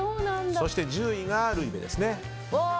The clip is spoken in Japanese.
そして１０位がルイベですね。